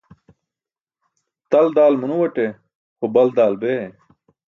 Tal daal manuwate, ho bal daal bee.